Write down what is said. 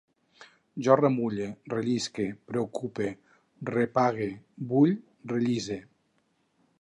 Jo remulle, rellisque, preocupe, repague, vull, rellisse